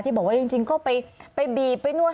บอกว่าจริงก็ไปบีบไปนวด